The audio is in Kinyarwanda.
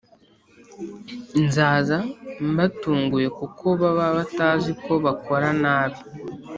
Nzaza mbatunguye kuko baba batazi ko bakora nabi